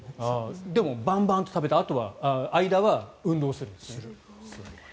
でもバンバンと食べて間は運動するんですね。